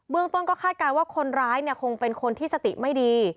เมืองต้นก็คาดการณ์ว่าคนร้ายคงเป็นคนที่สติไม่ดี